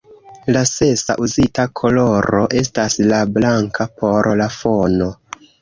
La sesa uzita koloro estas la blanka por la fono.